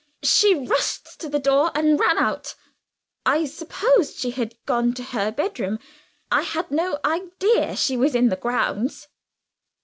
She rushed to the door and ran out. I supposed she had gone to her bedroom; I had no idea she was in the grounds."